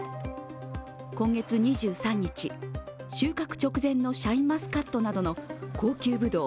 今月２３日、収穫直前のシャインマスカットなどの高級ぶどう